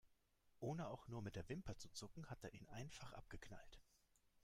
Ohne auch nur mit der Wimper zu zucken, hat er ihn einfach abgeknallt.